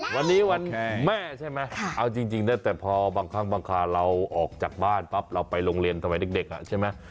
วันนี้วันแม่ใช่ไหมเอาจริงนะแต่พอบางครั้งบางคราเราออกจากบ้านปั๊บเราไปโรงเรียนสมัยเด็กใช่ไหม